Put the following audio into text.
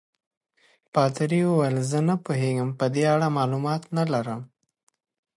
پادري وویل: زه نه پوهېږم، په دې اړه معلومات نه لرم.